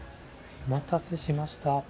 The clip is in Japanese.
お待たせしました。